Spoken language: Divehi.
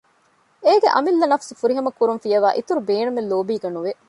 އޭގެ އަމިއްލަ ނަފުސު ފުރިހަމަކުރުން ފިޔަވައި އިތުރު ބޭނުމެއް ލޯބީގެ ނުވެ